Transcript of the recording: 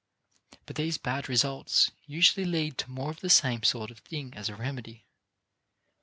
But these bad results usually lead to more of the same sort of thing as a remedy.